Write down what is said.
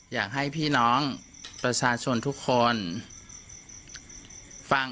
อยากให้พี่น้องประชาชนทุกคนฟัง